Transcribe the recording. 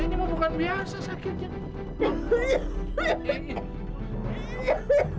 ini mah bukan biasa sakitnya